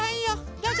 どうぞ。